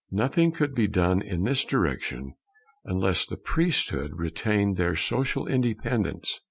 Nothing could be done in this direction unless the priesthood retained their social independence.